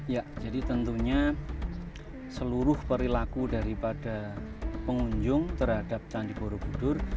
ya jadi tentunya seluruh perilaku daripada pengunjung terhadap candi borobudur